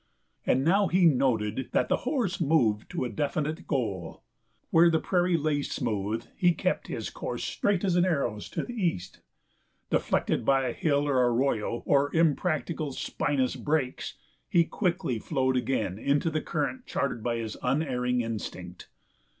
And now he noted that the horse moved to a definite goal. Where the prairie lay smooth he kept his course straight as an arrow's toward the east. Deflected by hill or arroyo or impractical spinous brakes, he quickly flowed again into the current, charted by his unerring instinct.